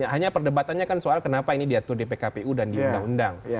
hanya perdebatannya kan soal kenapa ini diatur di pkpu dan di undang undang